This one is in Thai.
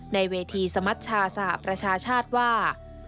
ในเวทีสมัชชาสหประชาชาติว่า